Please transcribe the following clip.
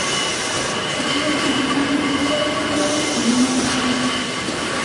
Los primeros intercambios de disparos derivaron en una batalla abierta.